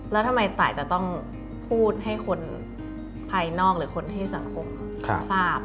แล้วทำไมตายจะต้องพูดให้คนภายนอกหรือคนให้สังคมทราบ